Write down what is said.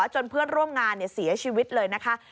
จนเพื่อนร่วมงานเสียชีวิตเลยนะคะ